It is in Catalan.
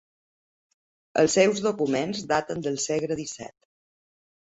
El seus documents daten del segle disset.